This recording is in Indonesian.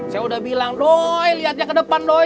saya udah bilang doi lihatnya ke depan doi